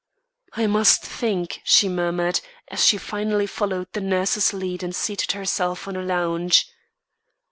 "I must think," she murmured, as she finally followed the nurse's lead and seated herself on a lounge.